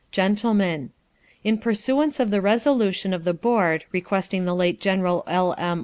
GENTLEMEN: In pursuance of the resolution of the board requesting the late Gen. L. M.